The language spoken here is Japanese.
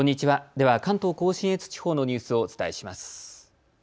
では関東甲信越地方のニュースをお伝えします。